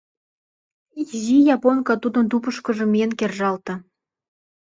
Изи японка тудын тупышкыжо миен кержалте.